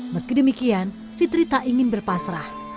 meski demikian fitri tak ingin berpasrah